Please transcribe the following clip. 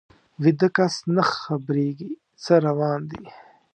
ویده کس نه خبریږي څه روان دي